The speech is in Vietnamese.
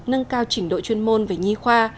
nâng cao trình độ chuyên môn về nhi khoa